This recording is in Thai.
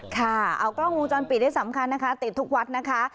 ค่ะเอากล้องวงจรปิดได้สำคัญนะคะติดทุกวัดนะคะ